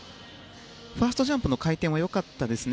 ファーストジャンプの回転は良かったですね。